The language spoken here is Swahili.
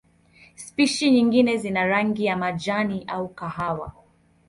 Spishi nyingine zina rangi ya majani au kahawa.